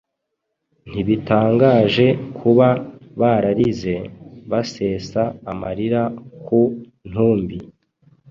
ntibitangaje kuba bararize, basesa amarira ku ntumbi.